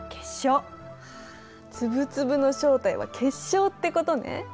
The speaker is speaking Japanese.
粒々の正体は結晶ってことね。